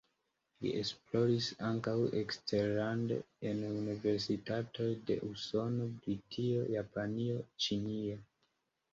Li esploris ankaŭ eksterlande en universitatoj de Usono, Britio, Japanio, Ĉinio.